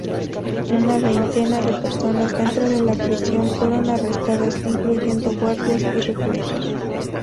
Una veintena de personas dentro de la prisión fueron arrestadas, incluyendo guardias y reclusos.